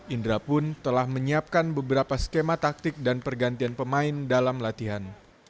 indra pun telah menyiapkan beberapa skema taktik dan pergantian pemain dalam latihan